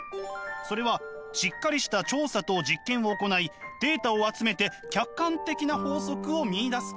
それはしっかりした調査と実験を行いデータを集めて客観的な法則を見いだすこと。